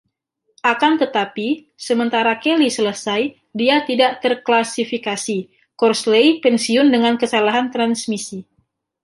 Akan tetapi, sementara Kelly selesai, dia tidak terklasifikasi; Crossley pensiun dengan kesalahan transmisi.